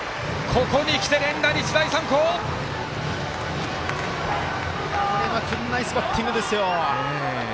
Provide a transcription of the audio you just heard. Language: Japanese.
ここにきて連打、日大三高！ナイスバッティングですよ。